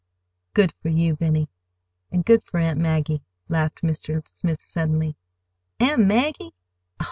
"Good for you, Benny,—and good for Aunt Maggie!" laughed Mr. Smith suddenly. "Aunt Maggie?